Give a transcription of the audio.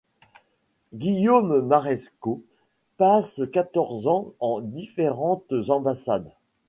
Guillaume Marescot passe quatorze ans en différentes ambassades.